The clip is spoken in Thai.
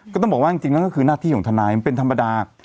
ก็ต้องบอกว่าจริงนั่นก็คือหน้าที่ของทนายมันเป็นธรรมดา